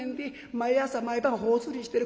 毎朝毎晩頬ずりしてる。